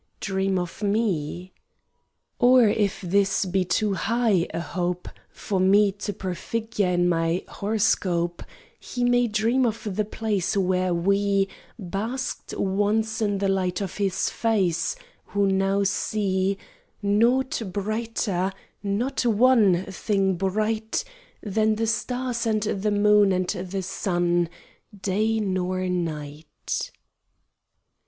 Dream of me. Or if this be too high A hope For me to prefigure in my Horoscope, He may dream of the place Where we Basked once in the light of his face, Who now see Nought brighter, not one Thing bright, Than the stars and the moon and the sun, Day nor night.